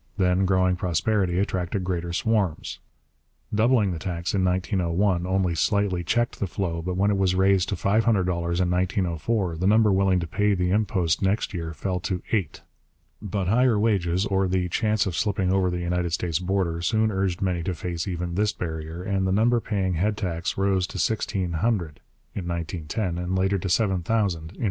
Then growing prosperity attracted greater swarms. Doubling the tax in 1901 only slightly checked the flow, but when it was raised to $500 in 1904 the number willing to pay the impost next year fell to eight. But higher wages, or the chance of slipping over the United States border, soon urged many to face even this barrier, and the number paying head tax rose to sixteen hundred (1910) and later to seven thousand (1913).